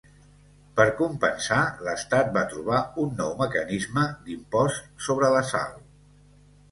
Per compensar, l'Estat va trobar un nou mecanisme d'imposts sobre la sal.